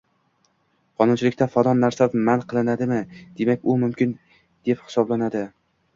Qonunchilikda falon narsa man qilinmadimi, demak u mumkin deb hisoblanadi.